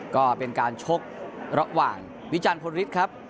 ก็เป็นการชกระหว่างวิจารณพลฤทธิ์ครับ